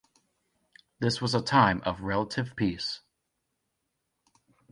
This was a time of relative peace.